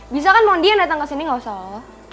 bisa kan mohon dia yang dateng kesini gak usah lo